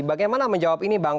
bagaimana menjawab ini bang